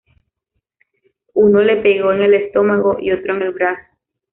Uno le pegó en el estómago y otro en el brazo.